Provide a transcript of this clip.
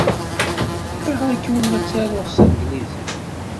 Ayɣer akka ur la ttaruɣ s tanglizit?